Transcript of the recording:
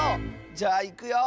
じゃあいくよ。